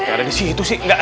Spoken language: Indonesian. nggak ada di situ sih nggak ya